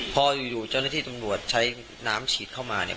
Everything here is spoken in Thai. พออยู่เจ้าหน้าที่ตำรวจใช้น้ำฉีดเข้ามา